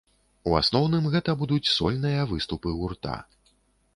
У асноўным гэта будуць сольныя выступы гурта.